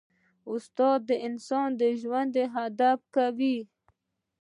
استاد د انسان ژوند ته هدف ورکوي.